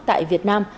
tại việt nam